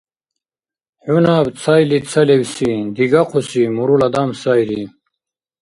XӀy наб цайли ца левси, дигахъуси мурул адам сайри...